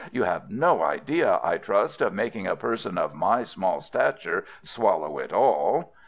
You have no idea, I trust, of making a person of my small stature swallow it all."